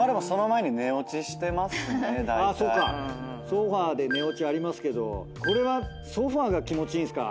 ソファで寝落ちありますけどこれはソファが気持ちいいんすか？